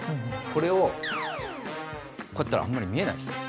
これをこうやったらあんまり見えないでしょ。